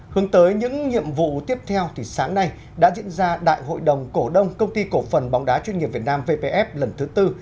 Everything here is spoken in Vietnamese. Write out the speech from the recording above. hướng tới những nhiệm vụ tiếp theo thì sáng nay đã diễn ra đại hội đồng cổ đông công ty cổ phần bóng đá chuyên nghiệp việt nam vpf lần thứ tư